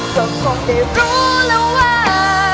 ก็คงได้รู้แล้วว่า